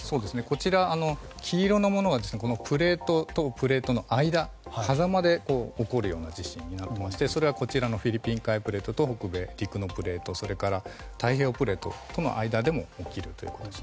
こちらは黄色のものはプレートとプレートの間、狭間で起こるような地震になっていましてそれがフィリピン海プレートと北米プレートと太平洋プレートとの間でも起きるということです。